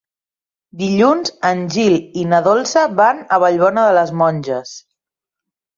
Dilluns en Gil i na Dolça van a Vallbona de les Monges.